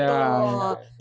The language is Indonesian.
tukang kepo gitu